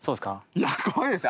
いや怖いですよ